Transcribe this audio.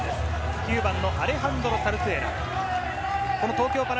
９番のアレハンドロ・サルスエラ。